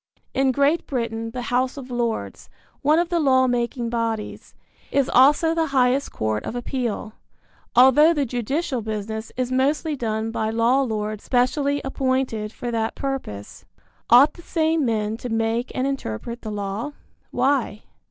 In Great Britain the House of Lords one of the law making bodies is also the highest court of appeal, although the judicial business is mostly done by law lords specially appointed for that purpose. Ought the same men to make and interpret the law? Why?